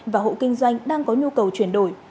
và hộ kinh doanh đang có nhu cầu chuyển đổi